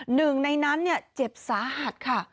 หนึ่งในนั้นเจ็บสาหัสค่ะ